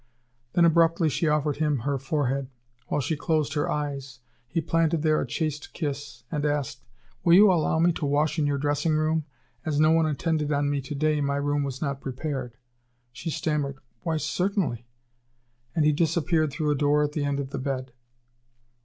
Then, abruptly, she offered him her forehead, while she closed her eyes. He planted there a chaste kiss, and asked: "Will you allow me to wash in your dressing room? As no one attended on me to day, my room was not prepared." She stammered: "Why, certainly." And he disappeared through a door at the end of the bed.